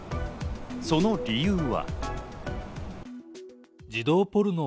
その理由は。